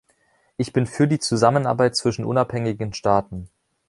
Ich bin für die Zusammenarbeit zwischen unabhängigen Staaten.